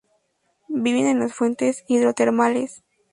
Viven en los fuentes hidrotermales.